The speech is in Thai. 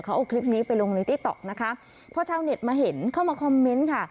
เขาเอาคลิปนี้ไปลงในติ๊กต๊อกนะคะพอชาวเน็ตมาเห็นเข้ามาคอมเมนต์ค่ะ